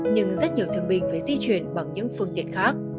nhưng rất nhiều thương binh phải di chuyển bằng những phương tiện khác